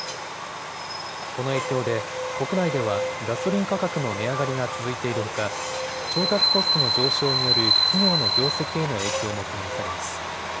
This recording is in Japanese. この影響で国内ではガソリン価格の値上がりが続いているほか調達コストの上昇による企業の業績への影響も懸念されます。